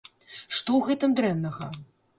Што ў гэтым дрэннага?!